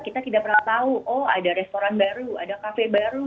kita tidak pernah tahu oh ada restoran baru ada kafe baru